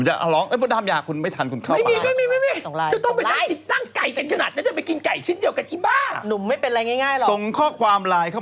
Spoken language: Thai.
ฉันว่าเธอก็ใกล้เถอะ